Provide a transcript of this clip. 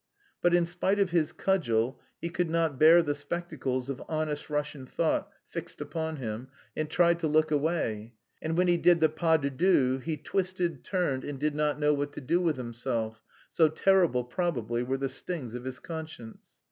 But in spite of his cudgel he could not bear the spectacles of "honest Russian thought" fixed upon him and tried to look away, and when he did the pas de deux, he twisted, turned, and did not know what to do with himself so terrible, probably, were the stings of his conscience!